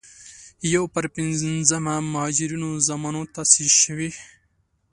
یو پر پينځمه مهاجرینو زامنو تاسیس شوې.